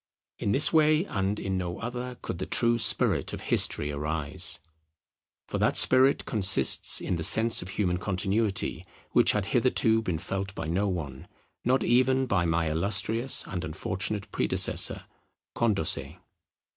In this way and in no other could the true spirit of history arise. For that spirit consists in the sense of human continuity, which had hitherto been felt by no one, not even by my illustrious and unfortunate predecessor Condorcet.